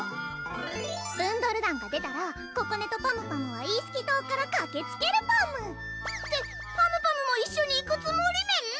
ブンドル団が出たらここねとパムパムはイースキ島からかけつけるパム！ってパムパムも一緒に行くつもりメン⁉